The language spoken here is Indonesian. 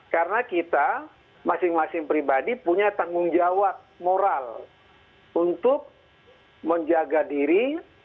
karena kita masing masing pribadi punya tanggung jawab moral untuk menjaga diri